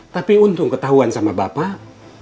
tapi untung ketahuan sama bapak